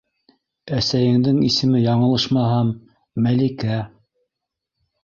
Әсәйендең исеме, яңылышмаһам, Мәликә.